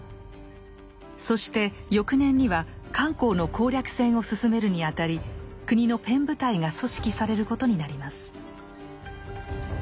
そして翌年には漢口の攻略戦を進めるにあたり国の「ペン部隊」が組織されることになります。